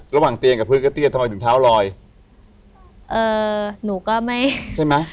ระหว่างเตียงกับเพื่อนก็เตี้ยทำไมถึงเท้าลอยเอ่อหนูก็ไม่ใช่ไหม